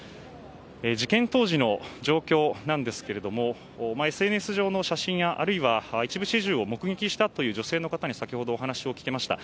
事件当時の状況なんですがＳＮＳ上の写真やあるいは一部始終を目撃したという女性の方に先ほどお話を聞きました。